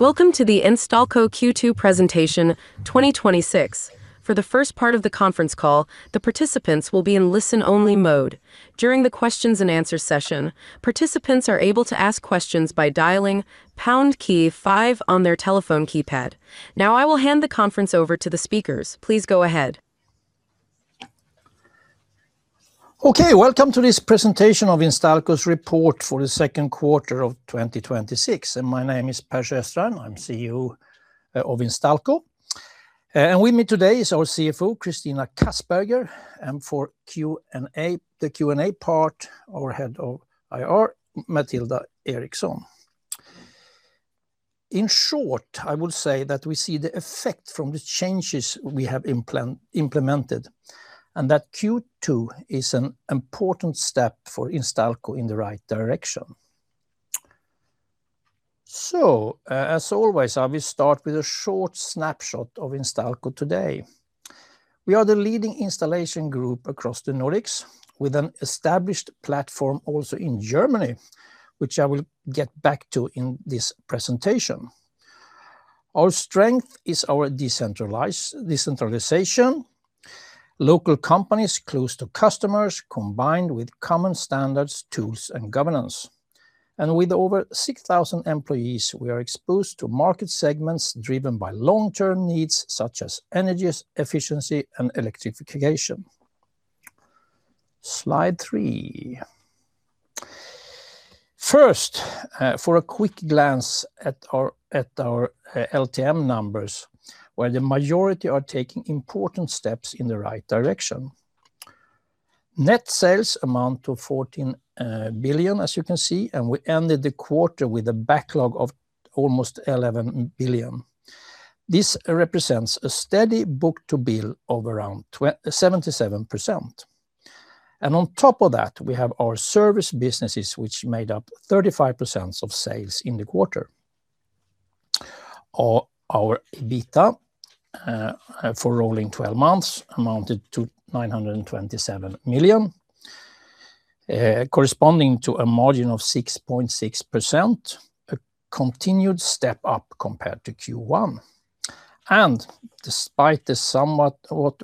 Welcome to the Instalco Q2 presentation 2026. For the first part of the conference call, the participants will be in listen-only mode. During the questions and answers session, participants are able to ask questions by dialing pound key five on their telephone keypad. Now I will hand the conference over to the speakers. Please go ahead. Okay. Welcome to this presentation of Instalco's report for the second quarter of 2026. My name is Per Sjöstrand. I'm CEO of Instalco. With me today is our CFO, Christina Kassberg, and for the Q and A part, our Head of IR, Mathilda Eriksson. In short, I will say that we see the effect from the changes we have implemented, and that Q2 is an important step for Instalco in the right direction. As always, I will start with a short snapshot of Instalco today. We are the leading installation group across the Nordics with an established platform also in Germany, which I will get back to in this presentation. Our strength is our decentralization. Local companies close to customers, combined with common standards, tools, and governance. With over 6,000 employees, we are exposed to market segments driven by long-term needs such as energy efficiency and electrification. Slide three. First, for a quick glance at our LTM numbers, where the majority are taking important steps in the right direction. Net sales amount to 14 billion, as you can see, and we ended the quarter with a backlog of almost 11 billion. This represents a steady book-to-bill of around 77%. On top of that, we have our service businesses, which made up 35% of sales in the quarter. Our EBITA for rolling 12 months amounted to 927 million, corresponding to a margin of 6.6%, a continued step up compared to Q1. Despite the somewhat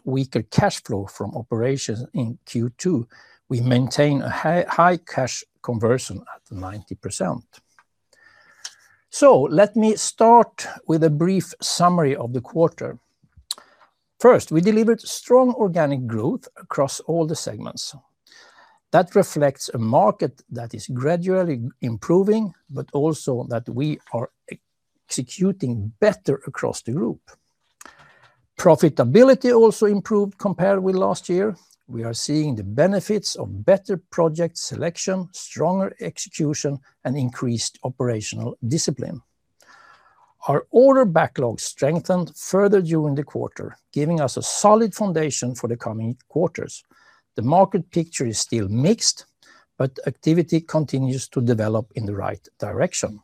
weaker cash flow from operations in Q2, we maintain a high cash conversion at 90%. Let me start with a brief summary of the quarter. First, we delivered strong organic growth across all the segments. That reflects a market that is gradually improving, but also that we are executing better across the group. Profitability also improved compared with last year. We are seeing the benefits of better project selection, stronger execution, and increased operational discipline. Our order backlog strengthened further during the quarter, giving us a solid foundation for the coming quarters. The market picture is still mixed, but activity continues to develop in the right direction.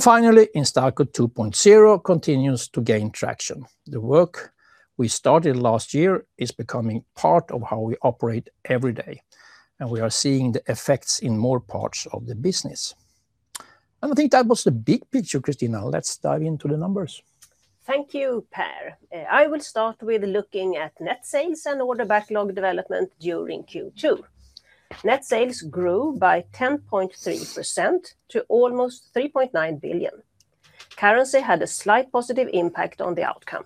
Finally, Instalco 2.0 continues to gain traction. The work we started last year is becoming part of how we operate every day, and we are seeing the effects in more parts of the business. I think that was the big picture, Christina. Let's dive into the numbers. Thank you, Per. I will start with looking at net sales and order backlog development during Q2. Net sales grew by 10.3% to almost 3.9 billion. Currency had a slight positive impact on the outcome.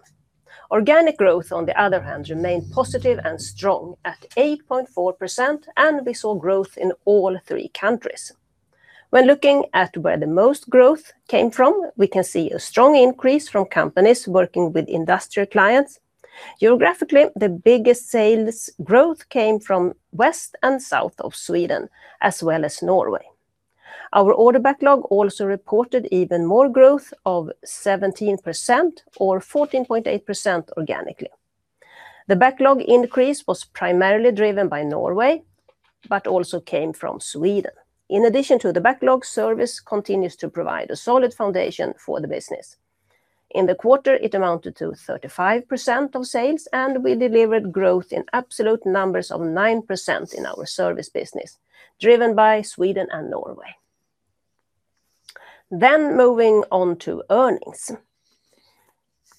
Organic growth, on the other hand, remained positive and strong at 8.4%. We saw growth in all three countries. When looking at where the most growth came from, we can see a strong increase from companies working with industrial clients. Geographically, the biggest sales growth came from west and south of Sweden as well as Norway. Our order backlog also reported even more growth of 17%, or 14.8% organically. The backlog increase was primarily driven by Norway, but also came from Sweden. In addition to the backlog, service continues to provide a solid foundation for the business. In the quarter, it amounted to 35% of sales. We delivered growth in absolute numbers of 9% in our service business, driven by Sweden and Norway. Moving on to earnings.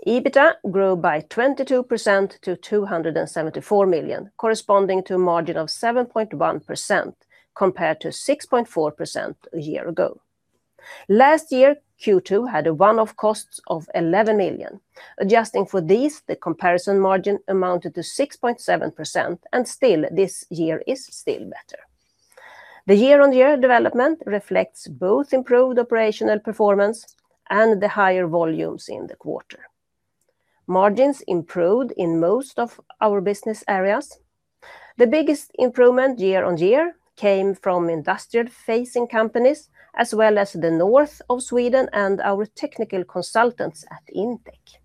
EBITA grew by 22% to 274 million, corresponding to a margin of 7.1% compared to 6.4% a year ago. Last year, Q2 had one-off costs of 11 million. Adjusting for these, the comparison margin amounted to 6.7%. Still this year is still better. The year-on-year development reflects both improved operational performance and the higher volumes in the quarter. Margins improved in most of our business areas. The biggest improvement year-on-year came from industrial-facing companies, as well as the north of Sweden and our technical consultants at Intec.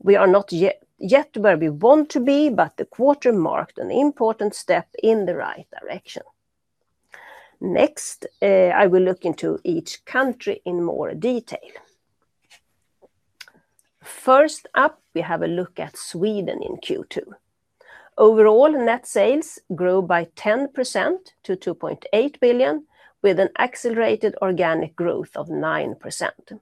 We are not yet where we want to be, the quarter marked an important step in the right direction. Next, I will look into each country in more detail. First up, we have a look at Sweden in Q2. Overall, net sales grew by 10% to 2.8 billion, with an accelerated organic growth of 9%.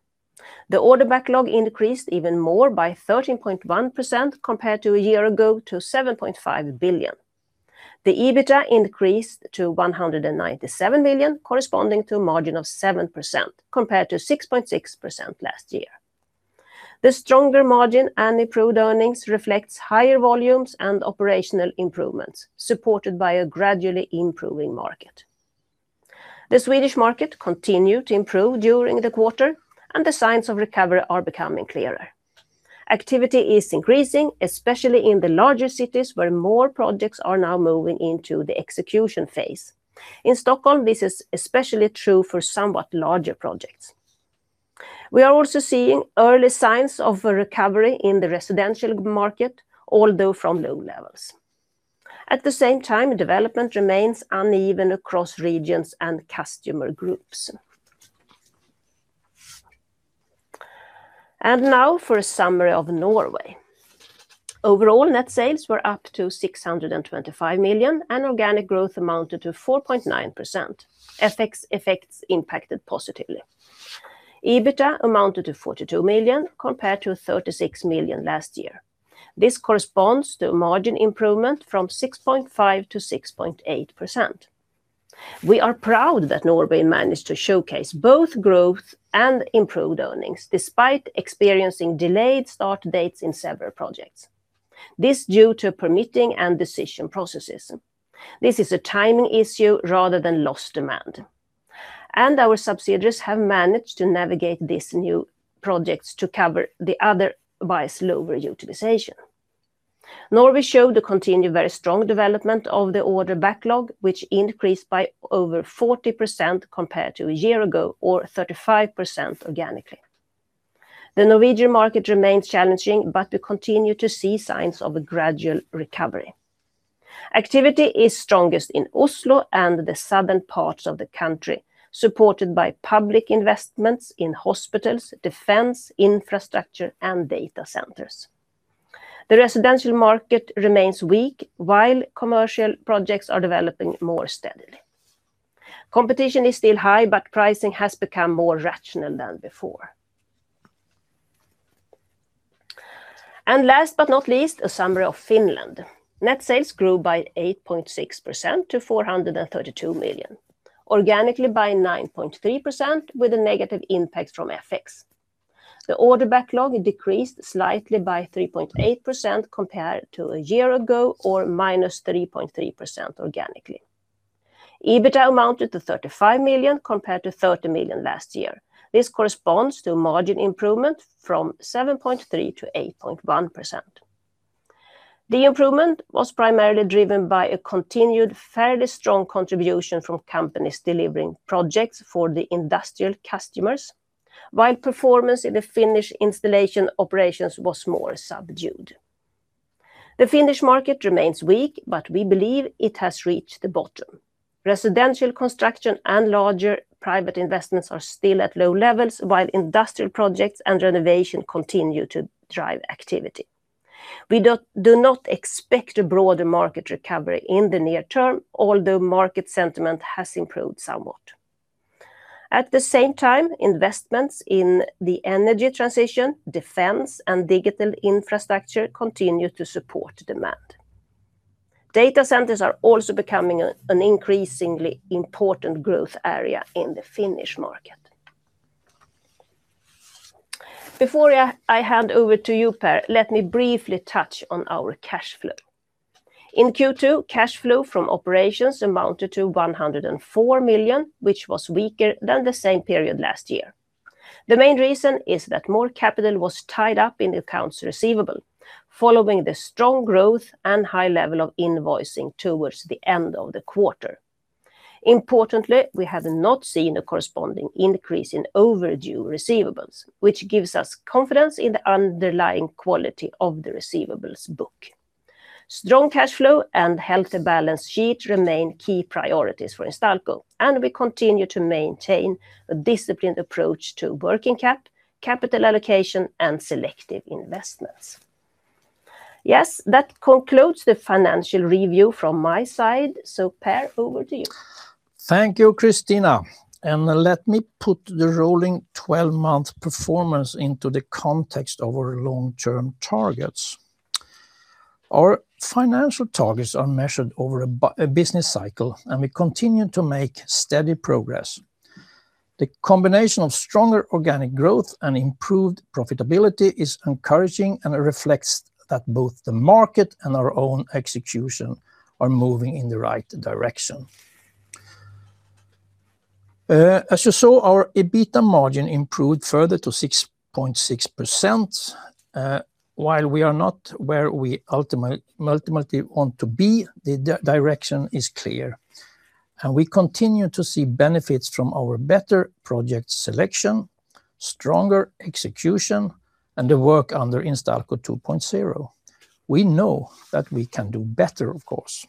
The order backlog increased even more by 13.1% compared to a year ago to 7.5 billion. The EBITA increased to 197 million, corresponding to a margin of 7%, compared to 6.6% last year. The stronger margin and improved earnings reflects higher volumes and operational improvements, supported by a gradually improving market. The Swedish market continued to improve during the quarter. The signs of recovery are becoming clearer. Activity is increasing, especially in the larger cities where more projects are now moving into the execution phase. In Stockholm, this is especially true for somewhat larger projects. We are also seeing early signs of a recovery in the residential market, although from low levels. At the same time, development remains uneven across regions and customer groups. Now for a summary of Norway. Overall, net sales were up to 625 million. Organic growth amounted to 4.9%. FX effects impacted positively. EBITA amounted to 42 million, compared to 36 million last year. This corresponds to a margin improvement from 6.5%-6.8%. We are proud that Norway managed to showcase both growth and improved earnings, despite experiencing delayed start dates in several projects. This due to permitting and decision processes. This is a timing issue rather than lost demand. Our subsidiaries have managed to navigate these new projects to cover the other by slower utilization. Norway showed a continued very strong development of the order backlog, which increased by over 40% compared to a year ago, or 35% organically. The Norwegian market remains challenging, but we continue to see signs of a gradual recovery. Activity is strongest in Oslo and the southern parts of the country, supported by public investments in hospitals, defense, infrastructure, and data centers. The residential market remains weak, while commercial projects are developing more steadily. Competition is still high, but pricing has become more rational than before. Last but not least, a summary of Finland. Net sales grew by 8.6% to 432 million, organically by 9.3% with a negative impact from FX. The order backlog decreased slightly by 3.8% compared to a year ago, or minus 3.3% organically. EBITA amounted to 35 million compared to 30 million last year. This corresponds to a margin improvement from 7.3%-8.1%. The improvement was primarily driven by a continued fairly strong contribution from companies delivering projects for the industrial customers, while performance in the Finnish installation operations was more subdued. The Finnish market remains weak, but we believe it has reached the bottom. Residential construction and larger private investments are still at low levels, while industrial projects and renovation continue to drive activity. We do not expect a broader market recovery in the near term, although market sentiment has improved somewhat. At the same time, investments in the energy transition, defense, and digital infrastructure continue to support demand. Data centers are also becoming an increasingly important growth area in the Finnish market. Before I hand over to you, Per, let me briefly touch on our cash flow. In Q2, cash flow from operations amounted to 104 million, which was weaker than the same period last year. The main reason is that more capital was tied up in accounts receivable following the strong growth and high level of invoicing towards the end of the quarter. Importantly, we have not seen a corresponding increase in overdue receivables, which gives us confidence in the underlying quality of the receivables book. Strong cash flow and healthy balance sheet remain key priorities for Instalco, and we continue to maintain a disciplined approach to working cap, capital allocation, and selective investments. That concludes the financial review from my side. Per, over to you. Thank you, Christina. Let me put the rolling 12-month performance into the context of our long-term targets. Our financial targets are measured over a business cycle, and we continue to make steady progress. The combination of stronger organic growth and improved profitability is encouraging and reflects that both the market and our own execution are moving in the right direction. As you saw, our EBITA margin improved further to 6.6%. While we are not where we ultimately want to be, the direction is clear. We continue to see benefits from our better project selection, stronger execution, and the work under Instalco 2.0. We know that we can do better, of course.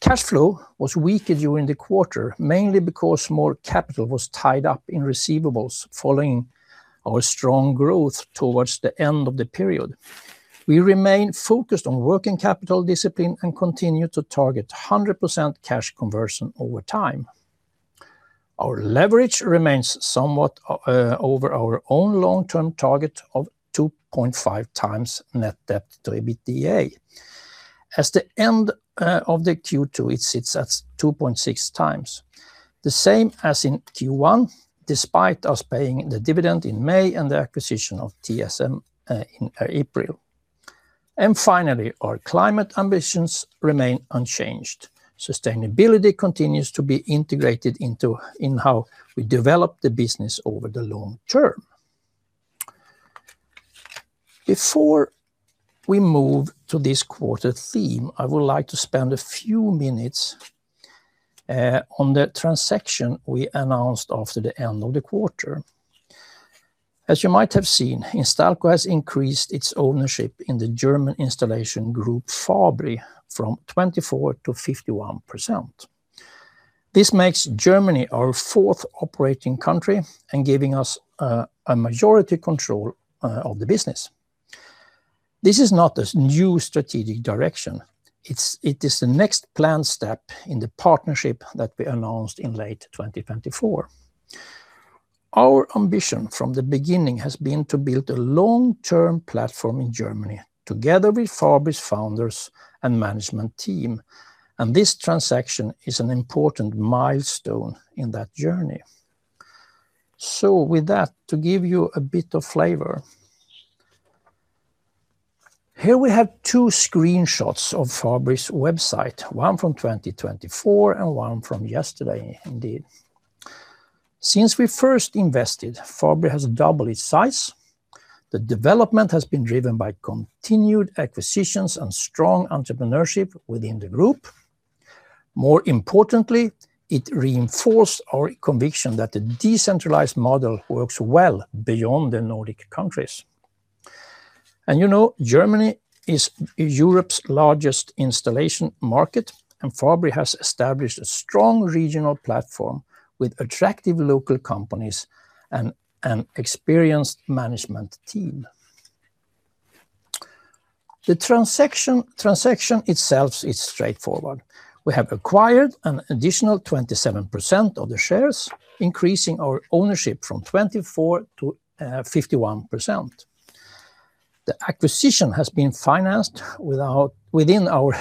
Cash flow was weaker during the quarter, mainly because more capital was tied up in receivables following our strong growth towards the end of the period. We remain focused on working capital discipline and continue to target 100% cash conversion over time. Our leverage remains somewhat over our own long-term target of 2.5x net debt to EBITDA. As the end of the Q2, it sits at 2.6x, the same as in Q1, despite us paying the dividend in May and the acquisition of TSM in April. Finally, our climate ambitions remain unchanged. Sustainability continues to be integrated in how we develop the business over the long term. Before we move to this quarter's theme, I would like to spend a few minutes on the transaction we announced after the end of the quarter. As you might have seen, Instalco has increased its ownership in the German installation group, Fabri, from 24%-51%. This makes Germany our fourth operating country and giving us a majority control of the business. This is not a new strategic direction. It is the next planned step in the partnership that we announced in late 2024. Our ambition from the beginning has been to build a long-term platform in Germany together with Fabri's founders and management team, this transaction is an important milestone in that journey. With that, to give you a bit of flavor, here we have two screenshots of Fabri's website, one from 2024 and one from yesterday, indeed. Since we first invested, Fabri has doubled its size. The development has been driven by continued acquisitions and strong entrepreneurship within the group. More importantly, it reinforced our conviction that the decentralized model works well beyond the Nordic countries. You know Germany is Europe's largest installation market, and Fabri has established a strong regional platform with attractive local companies and an experienced management team. The transaction itself is straightforward. We have acquired an additional 27% of the shares, increasing our ownership from 24%-51%. The acquisition has been financed within our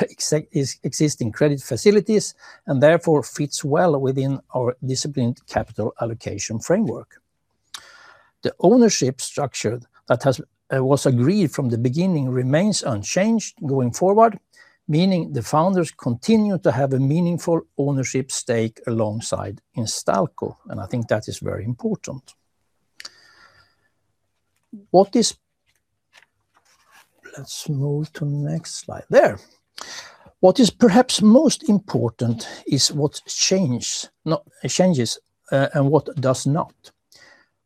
existing credit facilities, therefore fits well within our disciplined capital allocation framework. The ownership structure that was agreed from the beginning remains unchanged going forward, meaning the founders continue to have a meaningful ownership stake alongside Instalco, I think that is very important. Let's move to the next slide. There. What is perhaps most important is what changes and what does not.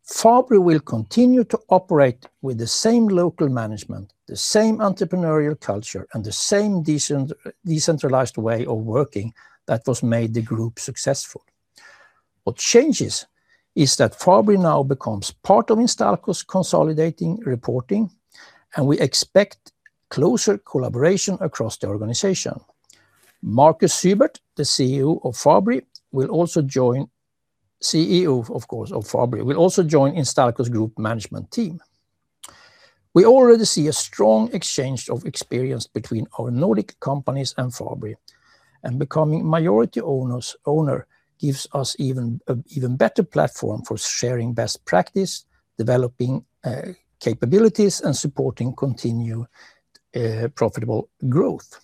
Fabri will continue to operate with the same local management, the same entrepreneurial culture, and the same decentralized way of working that has made the group successful. What changes is that Fabri now becomes part of Instalco's consolidating reporting, we expect closer collaboration across the organization. Markus Zübert, the CEO of Fabri, will also join Instalco's group management team. We already see a strong exchange of experience between our Nordic companies and Fabri, becoming majority owner gives us an even better platform for sharing best practice, developing capabilities, and supporting continued profitable growth.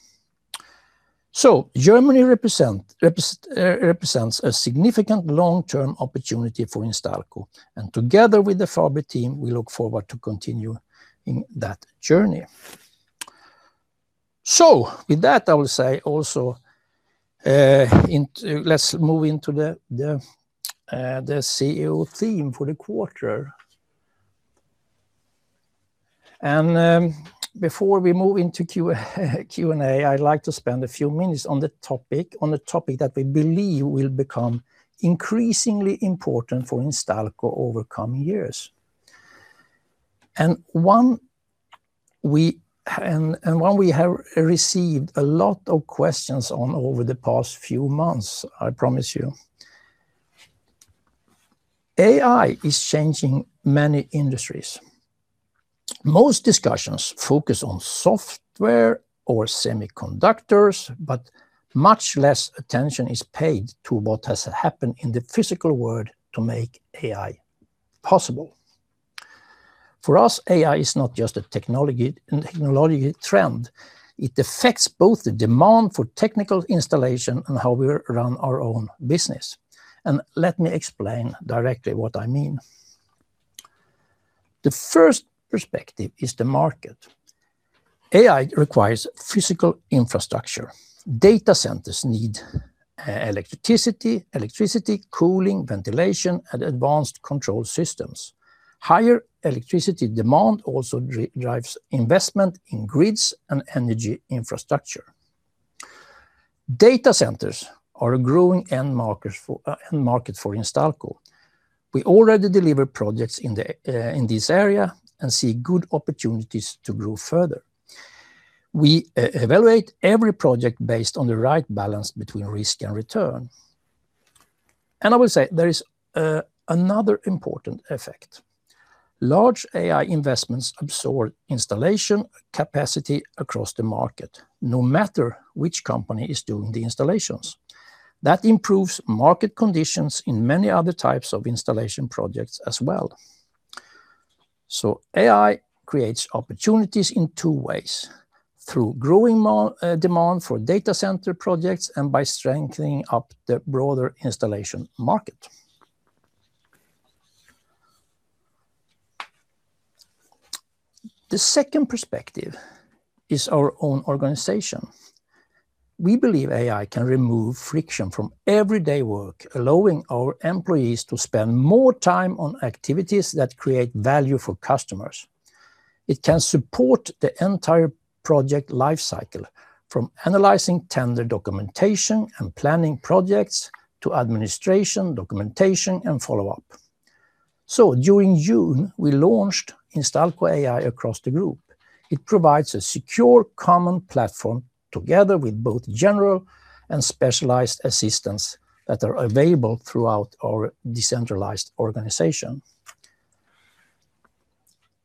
Germany represents a significant long-term opportunity for Instalco, together with the Fabri team, we look forward to continue in that journey. With that, I will say also let's move into the CEO theme for the quarter. Before we move into Q and A, I'd like to spend a few minutes on a topic that we believe will become increasingly important for Instalco over coming years and one we have received a lot of questions on over the past few months, I promise you. AI is changing many industries. Most discussions focus on software or semiconductors, but much less attention is paid to what has happened in the physical world to make AI possible. For us, AI is not just a technology trend. It affects both the demand for technical installation and how we run our own business. Let me explain directly what I mean. The first perspective is the market. AI requires physical infrastructure. Data centers need electricity, cooling, ventilation, and advanced control systems. Higher electricity demand also drives investment in grids and energy infrastructure. Data centers are a growing end market for Instalco. We already deliver projects in this area and see good opportunities to grow further. We evaluate every project based on the right balance between risk and return. I will say, there is another important effect. Large AI investments absorb installation capacity across the market, no matter which company is doing the installations. That improves market conditions in many other types of installation projects as well. AI creates opportunities in two ways: through growing demand for data center projects and by strengthening up the broader installation market. The second perspective is our own organization. We believe AI can remove friction from everyday work, allowing our employees to spend more time on activities that create value for customers. It can support the entire project life cycle, from analyzing tender documentation and planning projects to administration, documentation, and follow-up. During June, we launched Instalco AI across the group. It provides a secure common platform together with both general and specialized assistants that are available throughout our decentralized organization.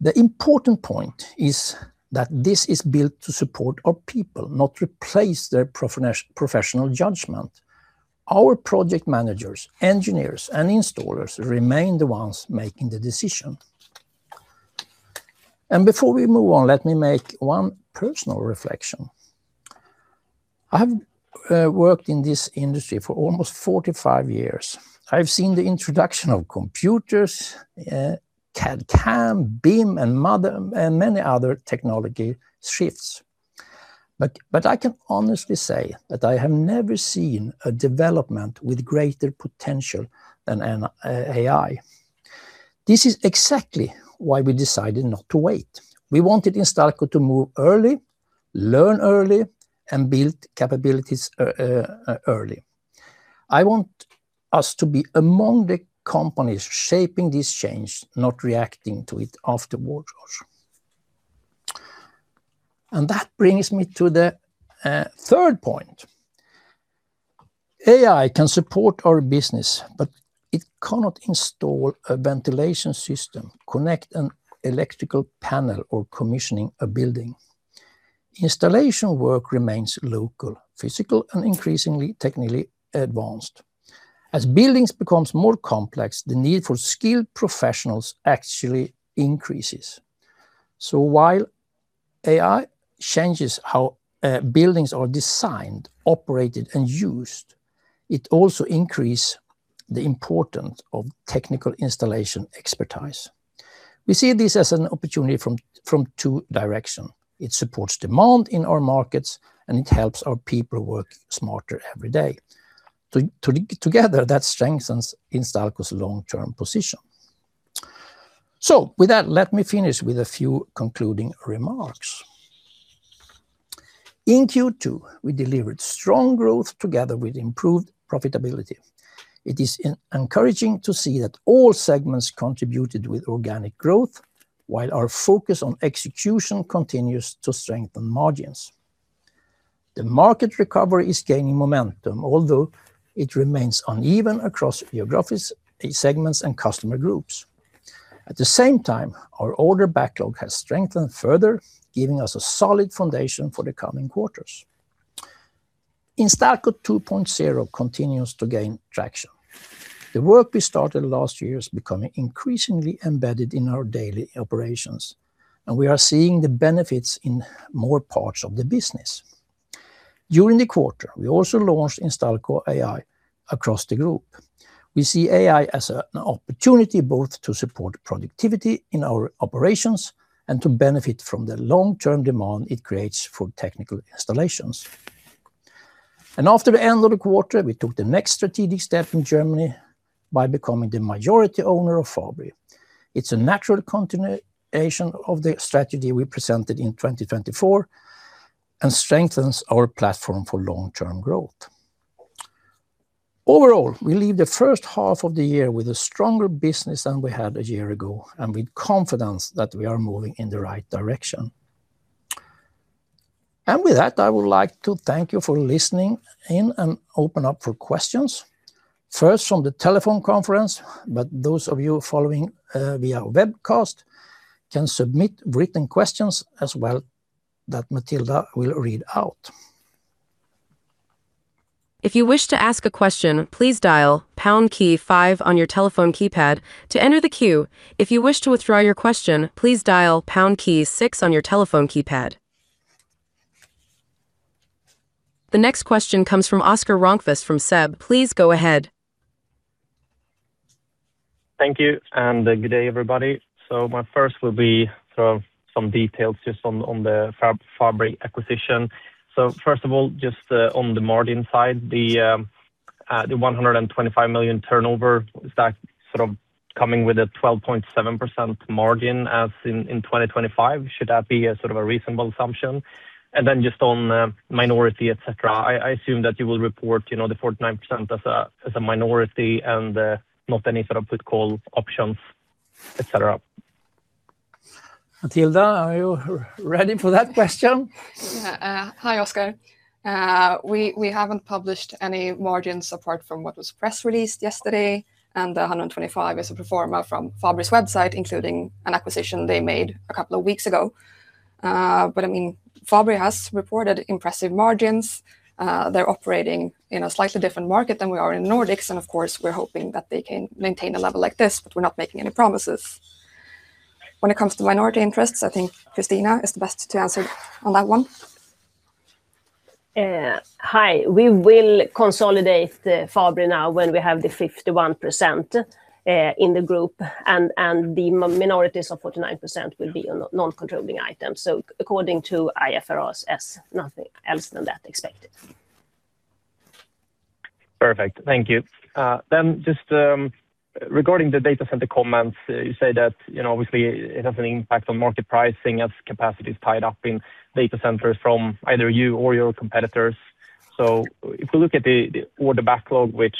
The important point is that this is built to support our people, not replace their professional judgment. Our project managers, engineers, and installers remain the ones making the decision. Before we move on, let me make one personal reflection. I have worked in this industry for almost 45 years. I've seen the introduction of computers, CAD/CAM, BIM, and many other technology shifts. I can honestly say that I have never seen a development with greater potential than AI. This is exactly why we decided not to wait. We wanted Instalco to move early, learn early, and build capabilities early. I want us to be among the companies shaping this change, not reacting to it afterwards. That brings me to the third point. AI can support our business, but it cannot install a ventilation system, connect an electrical panel, or commissioning a building. Installation work remains local, physical, and increasingly technically advanced. As buildings become more complex, the need for skilled professionals actually increases. While AI changes how buildings are designed, operated, and used, it also increases the importance of technical installation expertise. We see this as an opportunity from two directions. It supports demand in our markets, and it helps our people work smarter every day. Together, that strengthens Instalco's long-term position. With that, let me finish with a few concluding remarks. In Q2, we delivered strong growth together with improved profitability. It is encouraging to see that all segments contributed with organic growth, while our focus on execution continues to strengthen margins. The market recovery is gaining momentum, although it remains uneven across geographic segments and customer groups. At the same time, our order backlog has strengthened further, giving us a solid foundation for the coming quarters. Instalco 2.0 continues to gain traction. The work we started last year is becoming increasingly embedded in our daily operations, and we are seeing the benefits in more parts of the business. During the quarter, we also launched Instalco AI across the group. We see AI as an opportunity both to support productivity in our operations and to benefit from the long-term demand it creates for technical installations. After the end of the quarter, we took the next strategic step in Germany by becoming the majority owner of Fabri. It's a natural continuation of the strategy we presented in 2024 and strengthens our platform for long-term growth. Overall, we leave the first half of the year with a stronger business than we had a year ago and with confidence that we are moving in the right direction. With that, I would like to thank you for listening in and open up for questions, first from the telephone conference, but those of you following via webcast can submit written questions as well that Mathilda will read out. If you wish to ask a question, please dial pound key five on your telephone keypad to enter the queue. If you wish to withdraw your question, please dial pound key six on your telephone keypad. The next question comes from Oscar Rönnkvist from SEB. Please go ahead. Thank you, good day, everybody. My first will be some details just on the Fabri acquisition. First of all, just on the margin side, the 125 million turnover, is that coming with a 12.7% margin as in 2025? Should that be a reasonable assumption? Then just on minority, et cetera, I assume that you will report the 49% as a minority and not any sort of put call options, et cetera. Mathilda, are you ready for that question? Yeah. Hi, Oscar. We haven't published any margins apart from what was press released yesterday, the 125 million is a pro forma from Fabri's website, including an acquisition they made a couple of weeks ago. Fabri has reported impressive margins. They're operating in a slightly different market than we are in Nordics, of course, we're hoping that they can maintain a level like this, but we're not making any promises. When it comes to minority interests, I think Christina is the best to answer on that one. Hi. We will consolidate Fabri now when we have the 51% in the group and the minority, so 49%, will be a non-controlling item. According to IFRS, nothing else than that expected. Perfect. Thank you. Just regarding the data center comments, you say that obviously it has an impact on market pricing as capacity is tied up in data centers from either you or your competitors. If we look at the order backlog, which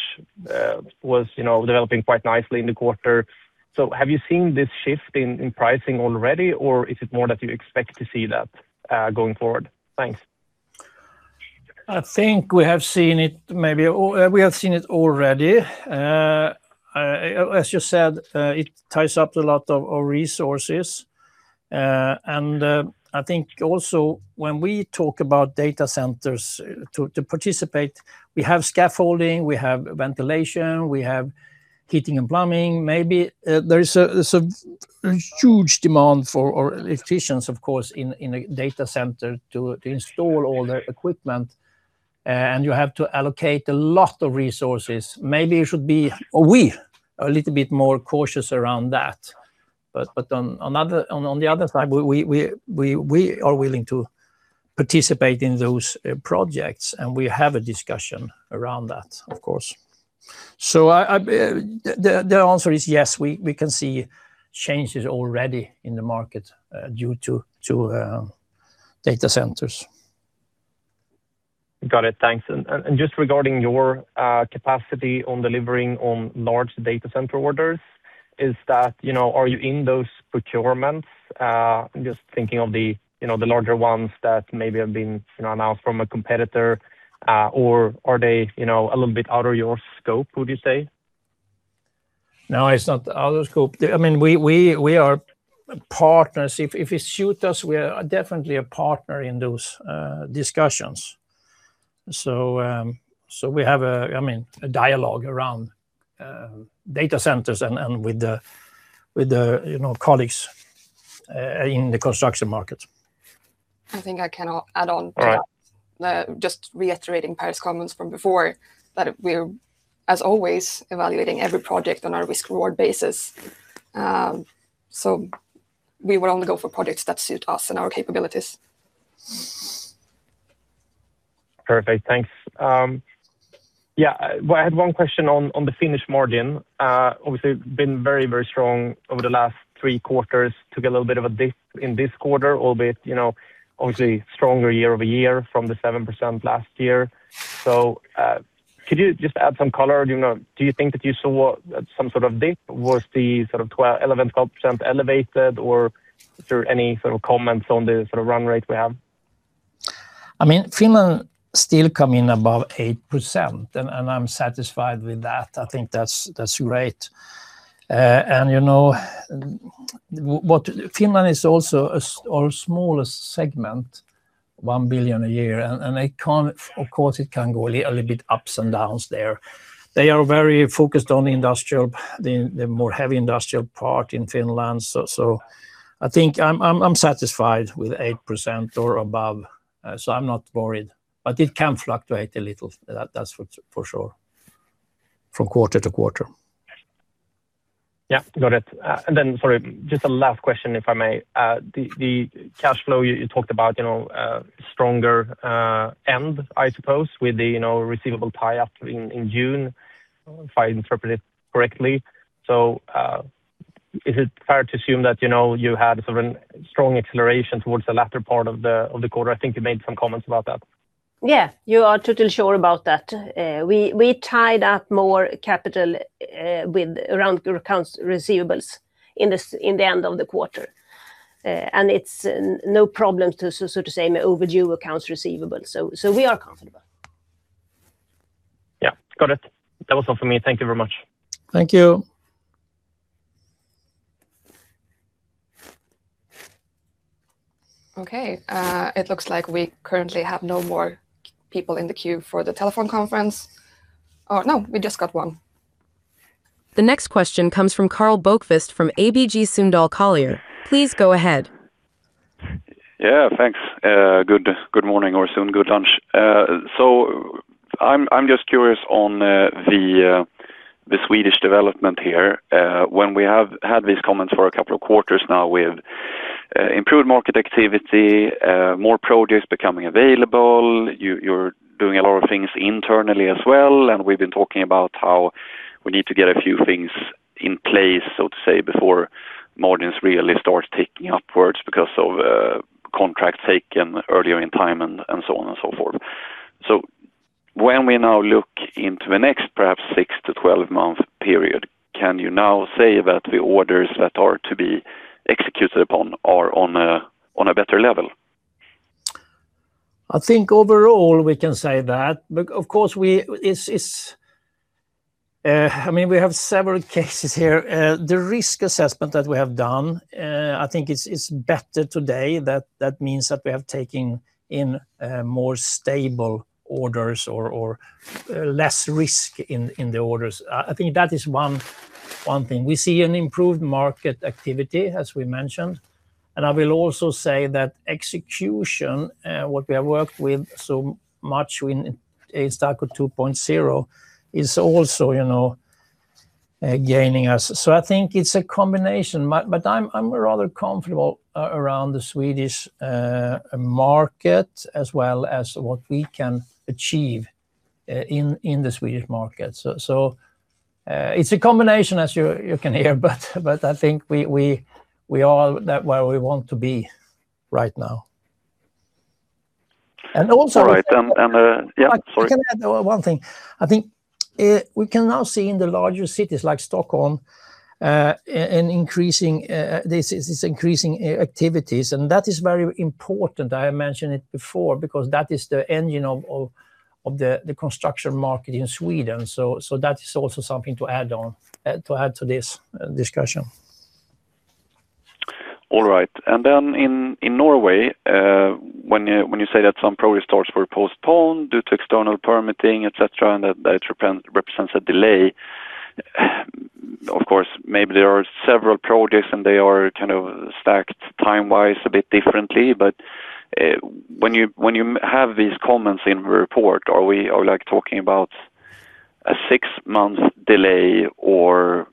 was developing quite nicely in the quarter, have you seen this shift in pricing already, or is it more that you expect to see that going forward? Thanks. I think we have seen it already. As you said, it ties up a lot of our resources. I think also when we talk about data centers to participate, we have scaffolding, we have ventilation, we have heating and plumbing. There is a huge demand for our electricians, of course, in a data center to install all their equipment. You have to allocate a lot of resources. Maybe you should be a little bit more cautious around that. On the other side, we are willing to participate in those projects, and we have a discussion around that, of course. The answer is yes, we can see changes already in the market due to data centers. Got it. Thanks. Just regarding your capacity on delivering on large data center orders, are you in those procurements? I'm just thinking of the larger ones that maybe have been announced from a competitor, or are they a little bit out of your scope, would you say? No, it's not out of scope. We are partners. If it suits us, we are definitely a partner in those discussions. We have a dialogue around data centers and with the colleagues in the construction market. I think I can add on to that. All right. Just reiterating Per's comments from before, that we're, as always, evaluating every project on a risk-reward basis. We would only go for projects that suit us and our capabilities. Perfect. Thanks. I had one question on the Finnish margin. Obviously, been very strong over the last three quarters. Took a little bit of a dip in this quarter, albeit, obviously stronger year-over-year from the 7% last year. Could you just add some color? Do you think that you saw some sort of dip? Was the 11%, 12% elevated, or is there any comments on the run rate we have? Finland still come in above 8%, and I'm satisfied with that. I think that's great. Finland is also our smallest segment, 1 billion a year. Of course it can go a little bit ups and downs there. They are very focused on the more heavy industrial part in Finland. I think I'm satisfied with 8% or above, I'm not worried. It can fluctuate a little, that's for sure, from quarter-to-quarter. Yeah. Got it. Sorry, just a last question, if I may. The cash flow you talked about, stronger end, I suppose, with the receivable tie-up in June, if I interpret it correctly. Is it fair to assume that you had a strong acceleration towards the latter part of the quarter? I think you made some comments about that. Yeah, you are totally sure about that. We tied up more capital around accounts receivables in the end of the quarter. It's no problem to, so to say, overdue accounts receivable. We are comfortable. Yeah. Got it. That was all for me. Thank you very much. Thank you. Okay. It looks like we currently have no more people in the queue for the telephone conference. No, we just got one. The next question comes from Karl Bokvist from ABG Sundal Collier. Please go ahead. Yeah, thanks. Good morning or soon good lunch. I'm just curious on the Swedish development here. When we have had these comments for a couple of quarters now with improved market activity, more projects becoming available, you're doing a lot of things internally as well, we've been talking about how we need to get a few things in place, so to say, before margins really start ticking upwards because of contracts taken earlier in time and so on and so forth. When we now look into the next, perhaps 6-12 month period, can you now say that the orders that are to be executed upon are on a better level? I think overall we can say that. We have several cases here. The risk assessment that we have done, I think is better today. That means that we have taken in more stable orders or less risk in the orders. I think that is one thing. We see an improved market activity, as we mentioned, I will also say that execution, what we have worked with so much in Instalco 2.0 is also gaining us. I think it's a combination, but I'm rather comfortable around the Swedish market as well as what we can achieve in the Swedish market. It's a combination as you can hear, but I think we are where we want to be right now. All right. Yeah, sorry. Can I add one thing? I think we can now see in the larger cities like Stockholm, these increasing activities. That is very important. I mentioned it before because that is the engine of the construction market in Sweden. That is also something to add to this discussion. All right. In Norway, when you say that some project starts were postponed due to external permitting, et cetera, and that it represents a delay. Of course, maybe there are several projects, and they are stacked time-wise a bit differently. When you have these comments in report, are we talking about a six-month delay or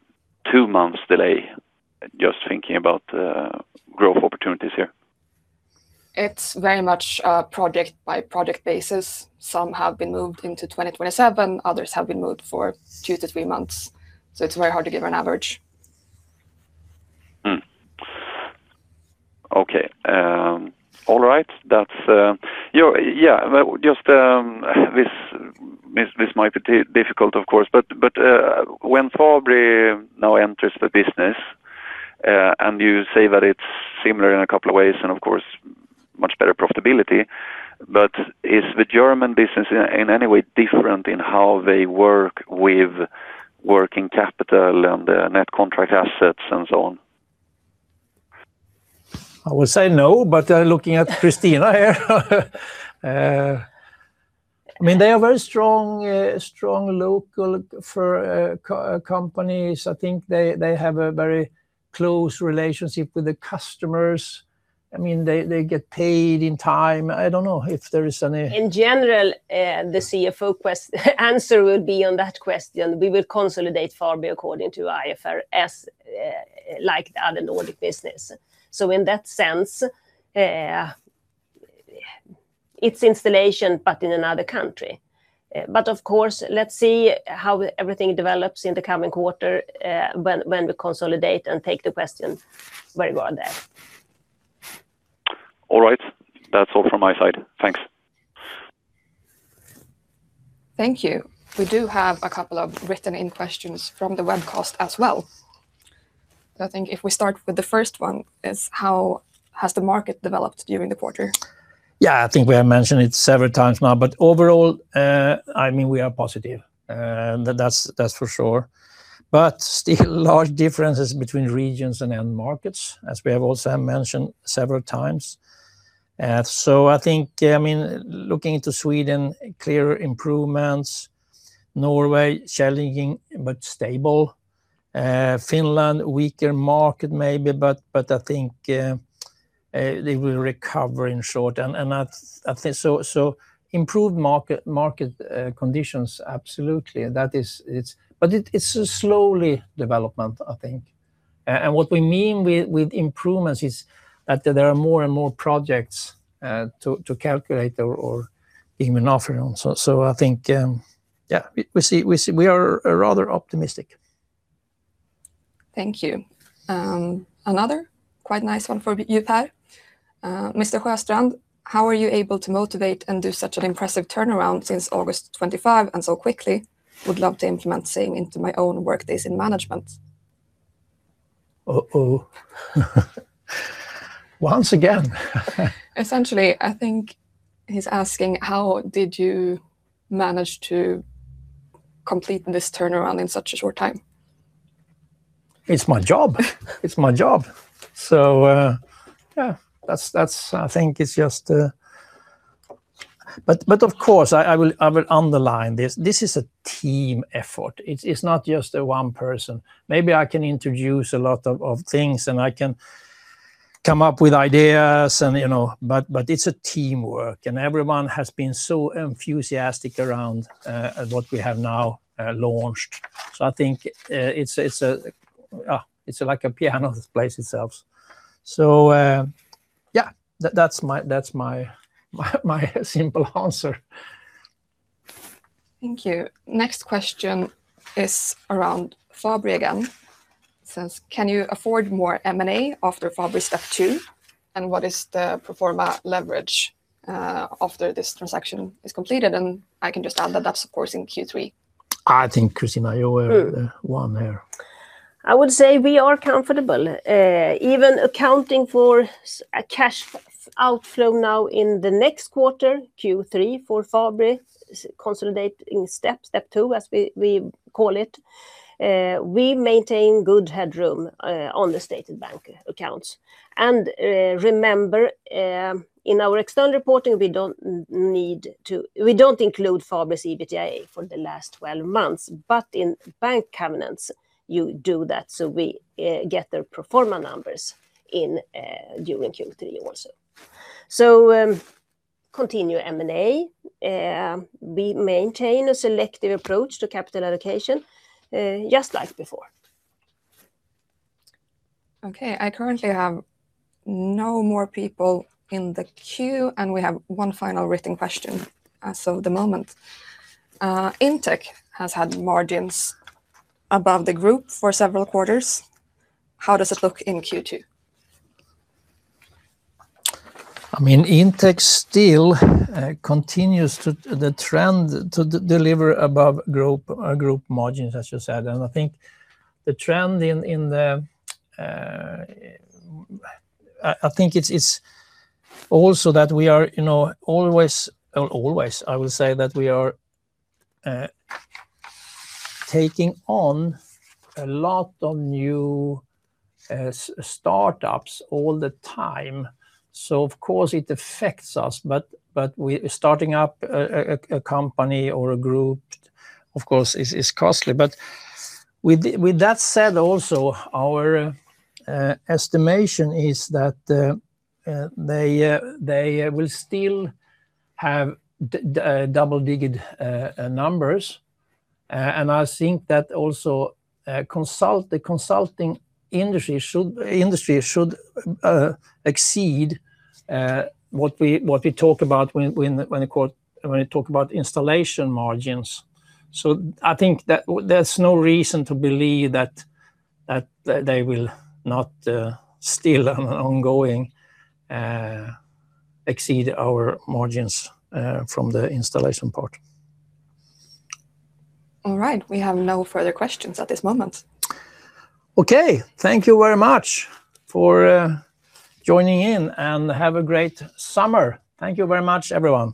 two months delay? Just thinking about growth opportunities here. It's very much a project-by-project basis. Some have been moved into 2027, others have been moved for two to three months. It's very hard to give an average. Okay. All right. This might be difficult, of course, but when Fabri now enters the business, you say that it's similar in a couple of ways, and of course, much better profitability, is the German business in any way different in how they work with working capital and net contract assets and so on? I would say no, but looking at Christina here, they are very strong local for companies. I think they have a very close relationship with the customers. They get paid in time. I don't know if there is any. In general, the CFO answer would be on that question, we will consolidate Fabri according to IFRS, like the other Nordic business. In that sense, its installation, but in another country. Of course, let's see how everything develops in the coming quarter, when we consolidate and take the question very well there. All right. That's all from my side. Thanks. Thank you. We do have a couple of written in questions from the webcast as well. I think if we start with the first one is, how has the market developed during the quarter? I think we have mentioned it several times now, overall, we are positive. That's for sure. Still large differences between regions and end markets, as we have also mentioned several times. I think, looking into Sweden, clear improvements, Norway, challenging, but stable, Finland, weaker market maybe, but I think, they will recover in short. I think so improved market conditions absolutely. It's a slow development, I think. What we mean with improvements is that there are more and more projects, to calculate or even offering. I think, we are rather optimistic. Thank you. Another quite nice one for you, Per. Mr. Sjöstrand, how are you able to motivate and do such an impressive turnaround since August 2025 and so quickly? Would love to implement same into my own workdays in management. Uh-oh. Once again. Essentially, I think he's asking how did you manage to complete this turnaround in such a short time? It's my job. It's my job. Yeah, I think it's just. Of course, I will underline this is a team effort. It's not just one person. Maybe I can introduce a lot of things and I can come up with ideas, but it's a teamwork and everyone has been so enthusiastic around what we have now launched. I think it's like a piano that plays itself. Yeah, that's my simple answer. Thank you. Next question is around Fabri again. It says, "Can you afford more M&A after Fabri step two? What is the pro forma leverage after this transaction is completed? I can just add that's, of course, in Q3. I think Christina, you were the one here. I would say we are comfortable, even accounting for a cash outflow now in the next quarter, Q3, for Fabri consolidating step two, as we call it. We maintain good headroom on the stated bank accounts. Remember, in our external reporting, we don't include Fabri's EBITA for the last 12 months, but in bank covenants you do that, so we get their pro forma numbers during Q3 also. Continue M&A. We maintain a selective approach to capital allocation, just like before. Okay. I currently have no more people in the queue, and we have one final written question as of the moment. Intec has had margins above the group for several quarters. How does it look in Q2? Intec still continues the trend to deliver above group margins, as you said. I think it's also that we are always, I will say that we are taking on a lot of new startups all the time, so of course it affects us. Starting up a company or a group, of course, is costly. With that said, also, our estimation is that they will still have double-digit numbers. I think that also the consulting industry should exceed what we talk about when we talk about installation margins. I think that there's no reason to believe that they will not still ongoing exceed our margins from the installation part. All right. We have no further questions at this moment. Okay. Thank you very much for joining in and have a great summer. Thank you very much, everyone.